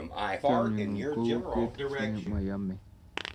Chamyengun ko u ketit ne mayamei